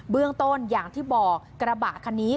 เรื่องต้นอย่างที่บอกกระบะคันนี้